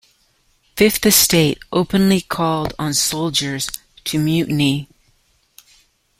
"Fifth Estate" openly called on soldiers to mutiny.